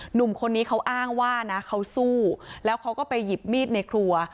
หนุ่มคนนี้เขาอ้างว่านะเขาสู้แล้วเขาก็ไปหยิบมีดในครัว